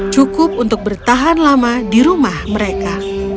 cukup untuk bertahan lama di rumah mereka